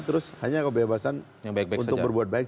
terus hanya kebebasan untuk berbuat baik